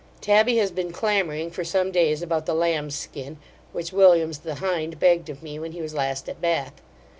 Tabby has been clamouring for some days about the lamb's skin, which Williams, the hind, begged of me, when he was last at Bath.